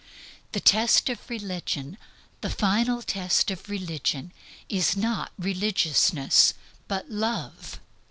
The test of religion, the final test of religion, is not religiousness, but Love.